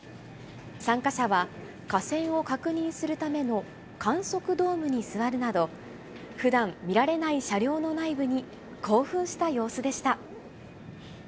参加者は架線を確認するための観測ドームに座るなど、ふだん見られない車両の内部に興奮した様子でした。